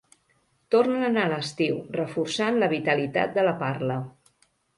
Tornen a l'estiu, reforçant la vitalitat de la parla.